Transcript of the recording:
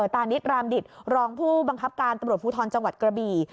ตานิดรามดิตรองผู้บังคับการตำรวจภูทรจังหวัดกระบี่